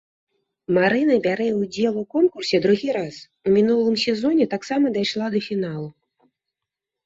Марына бярэ ўдзел у конкурсе другі раз, у мінулым сезоне таксама дайшла да фіналу.